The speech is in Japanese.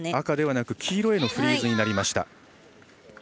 赤ではなく黄色へのフリーズになりました。